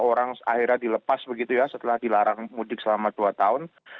orang akhirnya dilepas begitu ya setelah dilarang mudik selama dua tahun